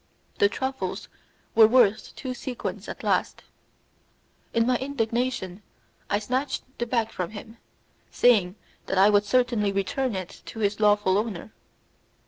The truffles were worth two sequins at least. In my indignation I snatched the bag from him, saying that I would certainly return it to its lawful owner.